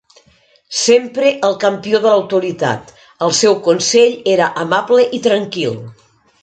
Sempre el campió de l'autoritat, el seu consell era amable i tranquil.